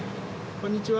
こんにちは。